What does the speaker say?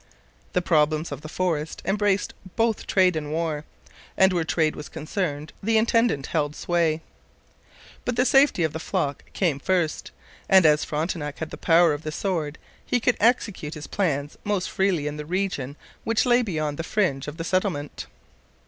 The problems of the forest embraced both trade and war; and where trade was concerned the intendant held sway. But the safety of the flock came first, and as Frontenac had the power of the sword he could execute his plans most freely in the region which lay beyond the fringe of settlement.